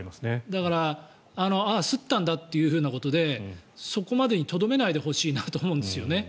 だからすったんだということでそこまでにとどめないでほしいなと思うんですよね。